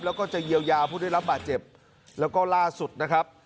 แล้วก็จะเยียวยาผู้ได้รับบาดเจ็บแล้วก็ล่าสุดนะครับ